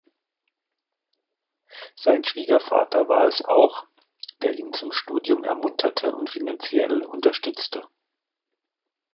Sein Schwiegervater war es auch, der ihn zum Studium ermunterte und finanziell unterstützte.